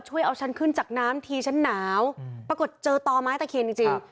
เอาฉันขึ้นจากน้ำทีฉันหนาวปรากฏเจอต่อไม้ตะเคียนจริงจริง